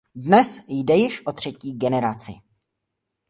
Dnes jde již o třetí generaci.